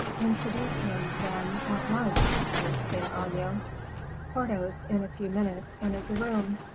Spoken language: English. "Introduce him, then, at once," cried Saint Aignan. Porthos, in a few minutes, entered the room.